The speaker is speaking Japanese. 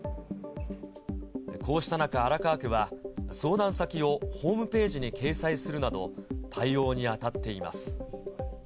こうした中、荒川区は、相談先をホームページに掲載するなど、対応に当たっています。